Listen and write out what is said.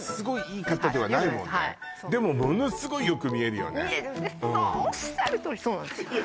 分かるよくないはいそうでもものすごいよく見えるよね見えるんですそうおっしゃるとおりそうなんですよ